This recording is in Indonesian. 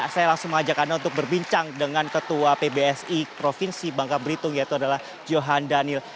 saya langsung mengajak anda untuk berbincang dengan ketua pbsi provinsi bangka belitung yaitu adalah johan daniel